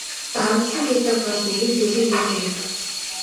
Дарамтална гэдэг бол нэгэн зүйлийн гэмт хэрэг.